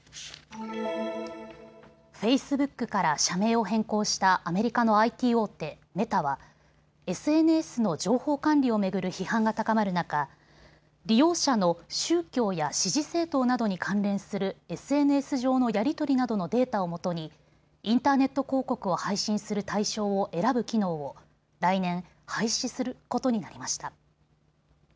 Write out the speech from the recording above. フェイスブックから社名を変更したアメリカのＩＴ大手、メタはＳＮＳの情報管理を巡る批判が高まる中、利用者の宗教や支持政党などに関連するＳＮＳ上のやり取りなどのデータをもとにインターネット広告を配信する対象を選ぶ機能を来年、廃止することになりました。